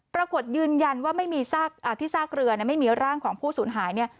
ปรากฏยืนยันว่าที่ซากเรือไม่มีร่างของผู้สูญหาย